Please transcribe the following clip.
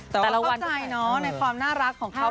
แต่เราเข้าใจเนอะในความน่ารักของเขา